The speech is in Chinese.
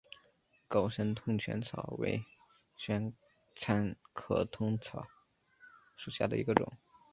高山通泉草为玄参科通泉草属下的一个种。